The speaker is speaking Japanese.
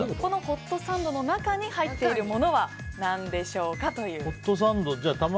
ホットサンドの中に入っているものは何でしょうかという。